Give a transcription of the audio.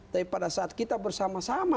tapi pada saat kita bersama sama